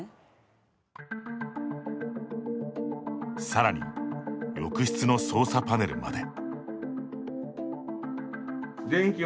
さらに、浴室の操作パネルまで。